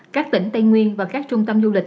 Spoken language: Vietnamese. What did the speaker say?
các tỉnh tây nguyên và các trung tâm du lịch